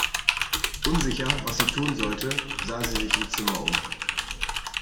Unsicher, was sie tun sollte, sah sie sich im Zimmer um.